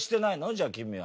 じゃあ君は。